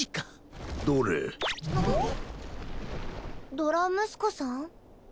ドラムスコさん？